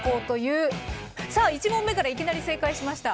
さあ１問目からいきなり正解しました。